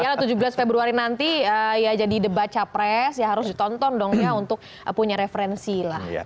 ya lah tujuh belas februari nanti ya jadi the baca press ya harus ditonton dong ya untuk punya referensi lah